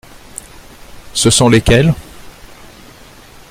Ce sont lesquels ?